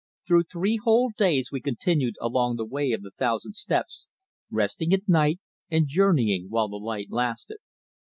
Through three whole days we continued along the Way of the Thousand Steps, resting at night and journeying while the light lasted.